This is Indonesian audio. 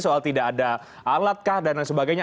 soal tidak ada alat kah dan lain sebagainya